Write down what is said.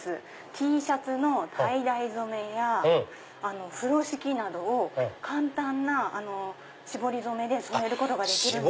Ｔシャツのタイダイ染めや風呂敷などを簡単な絞り染めで染めることができるんです。